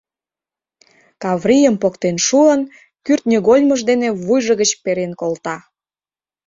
Каврийым поктен шуын, кӱртньыгольмыж дене вуйжо гыч перен колта.